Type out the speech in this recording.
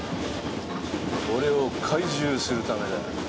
俺を懐柔するためだよ。